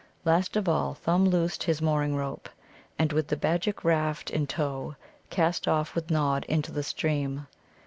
Last of all Thumb loosed his mooring rope, and with the baggage raft in tow cast off with Nod into the stream.